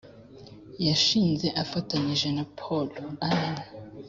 yashinze afatanyije na Paul Allen